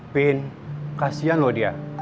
pin kasihan loh dia